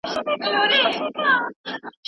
شات د همدې خوړو له ډلې دي.